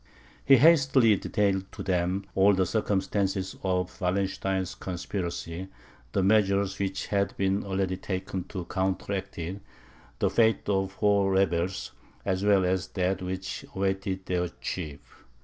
He hastily detailed to them all the circumstances of Wallenstein's conspiracy, the measures which had been already taken to counteract it, the fate of the four rebels, as well as that which awaited their chief.